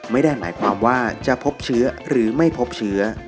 ไม่ได้หมายความว่าจะพบเชื้อหรือไม่พบเชื้อ